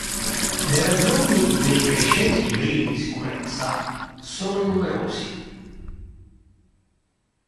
Le ragioni dei crescenti livelli di insicurezza sono numerosi.